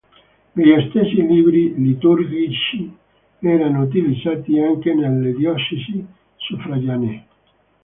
Gli stessi libri liturgici erano utilizzati anche nelle diocesi suffraganee.